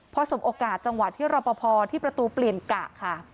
พอสมโอกาสจังหวะที่รอปภที่ประตูเปลี่ยนกะค่ะ